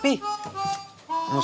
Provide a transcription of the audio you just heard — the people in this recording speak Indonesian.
tidak ada apa apa